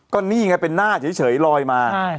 ก็นี่ไงเป็นหน้าเฉยลอยมา